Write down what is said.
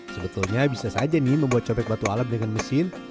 sebetulnya bisa saja nih membuat cobek batu alam dengan mesin